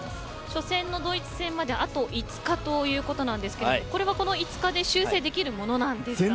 初戦のドイツ戦まであと５日ということですがこの５日で修正できるものですか。